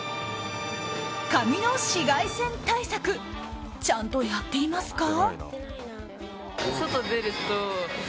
髪の紫外線対策ちゃんとやっていますか？